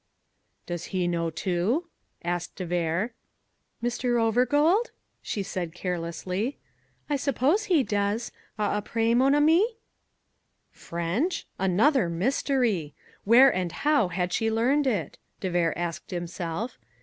"Does he know, too?" asked de Vere. "Mr. Overgold?" she said carelessly. "I suppose he does. Eh apres, mon ami?" French? Another mystery! Where and how had she learned it? de Vere asked himself.